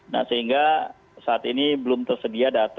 nah sehingga saat ini belum tersedia data